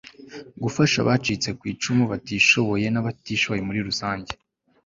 gufasha abacitse ku icumu batishoboye n'abatishoboye muri rusange